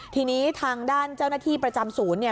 ทีนี้ทางด้านเจ้าหน้าที่ประจำศูนย์เนี่ย